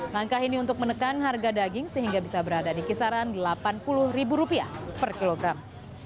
langkah ini untuk menekan harga daging sehingga bisa berada di kisaran rp delapan puluh per kilogram